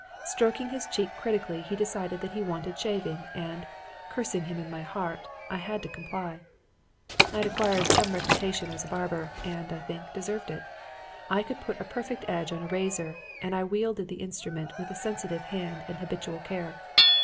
Stroking his cheek critically he decided that he wanted shaving, and, cursing him in my heart, I had to comply. "I had acquired some reputation as a barber and, I think, deserved it. I could put a perfect edge on a razor and I wielded the instrument with a sensitive hand and habitual care.